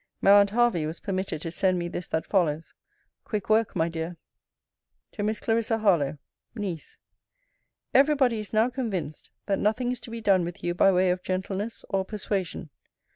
My aunt Hervey was permitted to send me this that follow. Quick work, my dear! TO MISS CLARISSA HARLOWE NIECE, Every body is now convinced, that nothing is to be done with you by way of gentleness or persuasion.